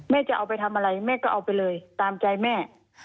จะเอาไปทำอะไรแม่ก็เอาไปเลยตามใจแม่